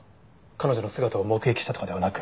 彼女の姿を目撃したとかではなく。